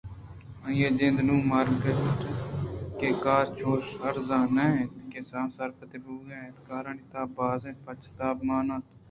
آئی ءِجند نوں مارگ ءَ اِنت کہ کار چوش ارزان نہ اِنت کہ آسرپد بوئگءَ اِنت کارانی تہا بازیں پیچ ءُتاب مان اَنت